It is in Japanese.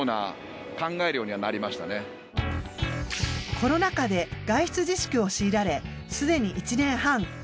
コロナ禍で外出自粛を強いられすでに１年半。